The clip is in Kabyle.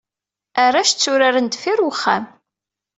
Arrac tturaren deffir uxxam.